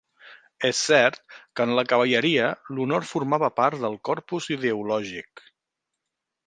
És cert que en la cavalleria l’honor formava part del corpus ideològic.